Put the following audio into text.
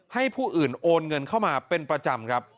ให้ผู้อื่นโอนเงินเข้ามาเป็นประจำครับ